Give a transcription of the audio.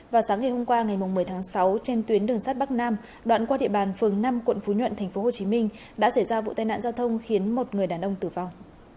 vào sáng ngày hôm qua ngày một mươi tháng sáu trên tuyến đường sắt bắc nam đoạn qua địa bàn phường năm quận phú nhuận tp hcm đã xảy ra vụ tai nạn giao thông khiến một người đàn ông tử vong